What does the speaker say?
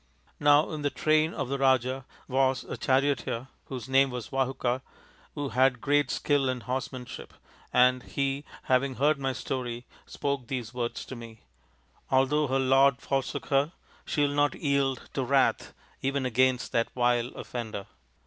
Now in the train of the Raja was a charioteer whose name was Vahuka, who had great skill in horsemanship, and he having heard my story spoke these words to me :" Although her lord forsook her, she'll not yield To wrath, even against that vile offender."